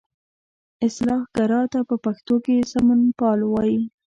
اصلاح ګرا ته په پښتو کې سمونپال وایي.